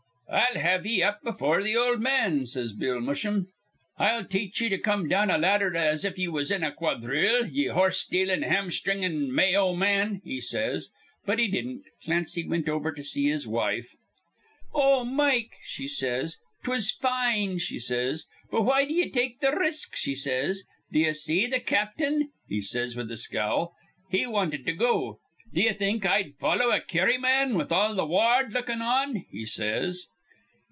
'I'll have ye up before th' ol' man,' says Bill Musham. 'I'll teach ye to come down a laddher as if ye was in a quadhrille, ye horse stealin', ham sthringin' May o man,' he says. But he didn't. Clancy wint over to see his wife. 'O Mike,' says she, ''twas fine,' she says. 'But why d'ye take th' risk?' she says. 'Did ye see th' captain?' he says with a scowl. 'He wanted to go. Did ye think I'd follow a Kerry man with all th' ward lukkin' on?' he says.